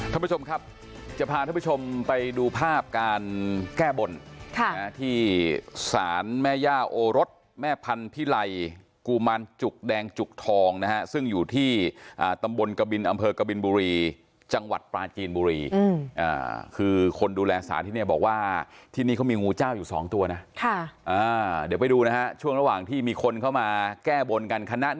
ท่านผู้ชมครับจะพาท่านผู้ชมไปดูภาพการแก้บนที่ศาลแม่ย่าโอรสแม่พันธิไลกุมารจุกแดงจุกทองนะฮะซึ่งอยู่ที่ตำบลกบินอำเภอกบินบุรีจังหวัดปลาจีนบุรีคือคนดูแลสารที่เนี่ยบอกว่าที่นี่เขามีงูเจ้าอยู่สองตัวนะเดี๋ยวไปดูนะฮะช่วงระหว่างที่มีคนเข้ามาแก้บนกันคณะ